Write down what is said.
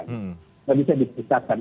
tidak bisa dipisahkan